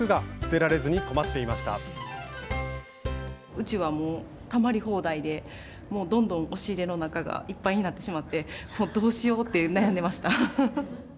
うちはもうたまり放題でもうどんどん押し入れの中がいっぱいになってしまってもうどうしようって悩んでました。